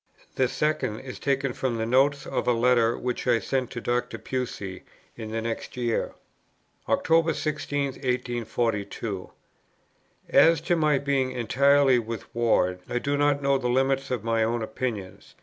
The second is taken from the notes of a letter which I sent to Dr. Pusey in the next year: "October 16, 1842. As to my being entirely with Ward, I do not know the limits of my own opinions.